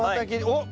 おっ。